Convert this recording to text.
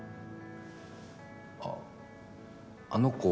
あっあの子